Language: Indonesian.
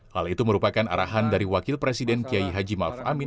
hal itu merupakan arahan dari wakil presiden kiai haji maruf amin